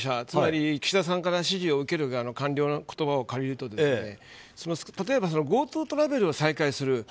つまり岸田さんから指示を受ける側の官僚の言葉を借りると例えばＧｏＴｏトラベルを再開する。